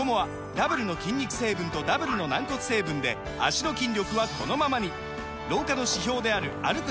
ダブルの筋肉成分とダブルの軟骨成分で脚の筋力はこのままに老化の指標である歩く